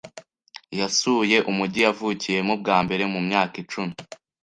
Yasuye umujyi yavukiyemo bwa mbere mu myaka icumi.